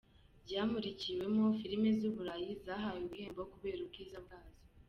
Ryamurikiwemo filime z’i Burayi zahawe ibihembo kubera ubwiza bwazo.